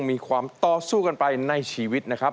มีความต่อสู้กันไปในชีวิตนะครับ